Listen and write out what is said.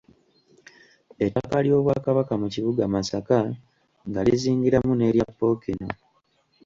Ettaka ly’Obwakabaka mu kibuga Masaka nga lizingiramu n’erya Ppookino.